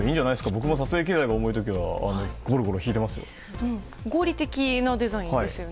僕も撮影機材が重いときはゴロゴロ引いてますよ。